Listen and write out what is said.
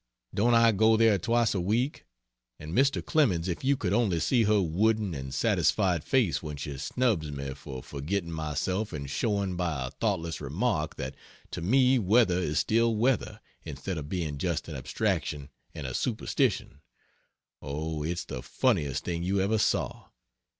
don't I go there twice a week? And Mr. Clemens, if you could only see her wooden and satisfied face when she snubs me for forgetting myself and showing by a thoughtless remark that to me weather is still weather, instead of being just an abstraction and a superstition oh, it's the funniest thing you ever saw!